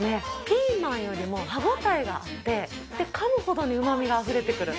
ピーマンよりも歯応えがあってでかむほどにうまみがあふれてくる。